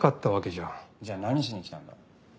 じゃあ何しに来たんだ？